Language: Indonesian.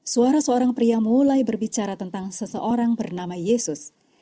suara seorang pria mulai berbicara tentang seseorang bernama yesus